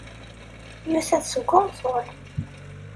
Yusa-d seg unẓul.